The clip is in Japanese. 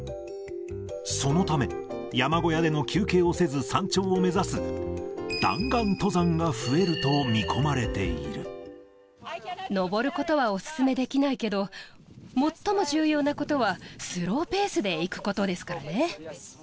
そのため、山小屋での休憩をせず、山頂を目指す、弾丸登山が増えると見込ま登ることはお勧めできないけど、最も重要なことは、スローペースで行くことですからね。